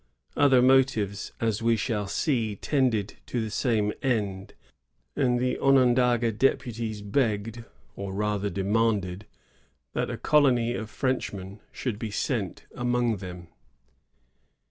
Other motives, as we shall see, tended to the same end, and the Onondaga deputies begged, or rather demanded, that a colony of Frenchmen should be sent among them.